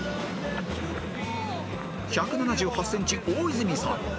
［１７８ｃｍ大泉さん］